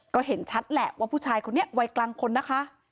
ก็เห็นชัดแหละว่าผู้ชายคนนี้วัยกลางคนนะคะ